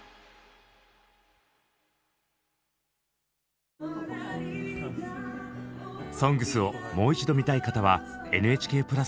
「ＳＯＮＧＳ」をもう一度見たい方はＮＨＫプラスで！